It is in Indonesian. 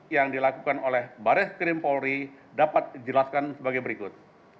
yang dilakukan oleh bareskrim polri dapat dijelaskan sebagai berikut